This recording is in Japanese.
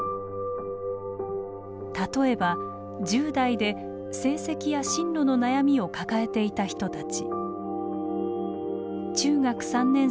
例えば１０代で成績や進路の悩みを抱えていた人たち。